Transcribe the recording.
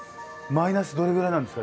マイナスどれぐらいなんですか？